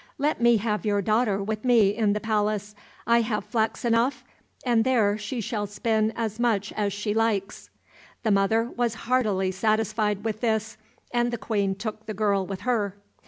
Let me have your daughter with me in the palace. I have flax enough, and there she shall spin as much as she likes." The mother was heartily satisfied with this, and the Queen took the girl with her.